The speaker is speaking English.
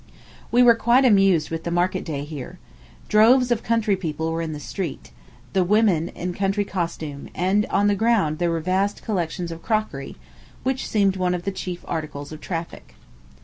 We were quite amused with the market day here. Droves of country people were in the streets the women in country costume; and on the ground there were vast collections of crockery, which seemed one of the chief articles of traffic.